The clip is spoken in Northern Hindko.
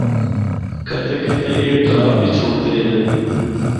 کدے کدے اے ڈرا بھی چُھڑدے ہن۔